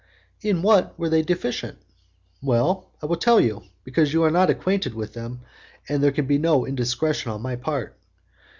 "In what were they deficient?" "Well, I will tell you, because you are not acquainted with them, and there can be no indiscretion on my part.